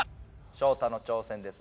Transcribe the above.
ショウタの挑戦です。